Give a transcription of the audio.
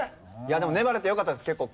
でも粘れてよかったです結構。